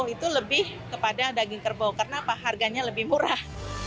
itu lebih kepada daging kerbau karena apa harganya lebih murah